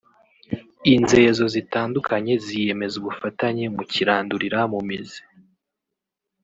inzezo zitandukanye ziyemeza ubufatanye mu kirandurira mu mizi